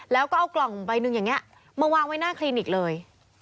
แล้วก็เอากล่องใบหนึ่งอย่างนี้มาวางไว้หน้าคลินิกเลย